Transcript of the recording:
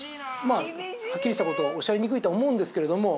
まあはっきりした事はおっしゃりにくいとは思うんですけれども。